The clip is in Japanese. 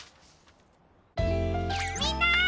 みんな！